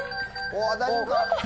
大丈夫か？